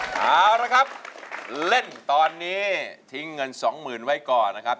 เอาละครับเล่นตอนนี้ทิ้งเงินสองหมื่นไว้ก่อนนะครับ